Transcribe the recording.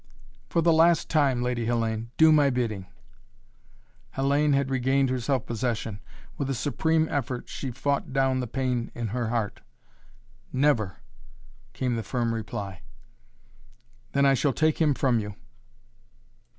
"For the last time, Lady Hellayne, do my bidding!" Hellayne had regained her self possession. With a supreme effort she fought down the pain in her heart. "Never!" came the firm reply. "Then I shall take him from you!"